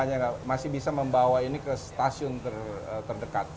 karena kereta kalau gempanya masih bisa membawa ini ke stasiun terdekat